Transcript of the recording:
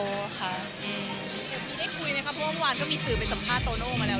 ได้คุยไหมครับเพราะว่าเมื่อวานก็มีสื่อไปสัมภาษณโตโน่มาแล้ว